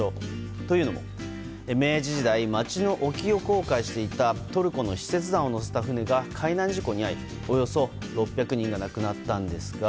というのも明治時代町の沖を航海していたトルコの使節団を乗せた船が海難事故に遭いおよそ６００人が亡くなったんですが。